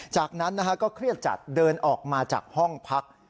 จากนั้นก็เครียดจัดเดินออกมาจากห้องพัก